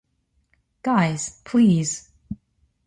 Guys, please.